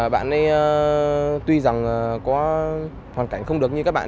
bạn ấy tuy rằng có hoàn cảnh không được như các bạn